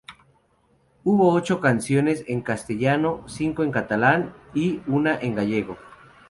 Hubo ocho canciones en castellano, cinco en catalán y una en gallego.